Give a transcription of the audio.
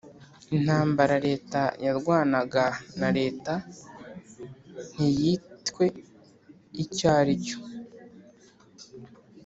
intambara leta yarwanaga na leta ntiyitwe icyo ari cyo